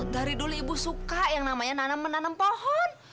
dari dulu ibu suka yang namanya nanam menanam pohon